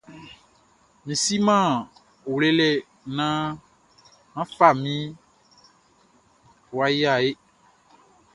Mʼsiman wlele nan fami waya ehe.